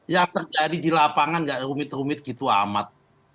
yang terjadi di lapangan gak rumit rumit gitu amat